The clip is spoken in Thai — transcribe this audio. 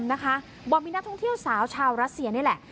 บอกมีนักท่องเที่ยวสาวชาวรัสเซียนี่แหละ